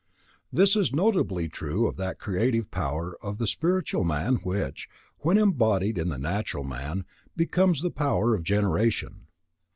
This is notably true of that creative power of the spiritual man which, when embodied in the natural man, becomes the power of generation.